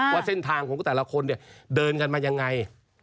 ว่าเส้นทางของแต่ละคนเนี่ยเดินกันมายังไง